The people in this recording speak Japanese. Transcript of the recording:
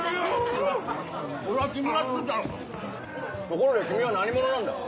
ところで君は何者なんだ？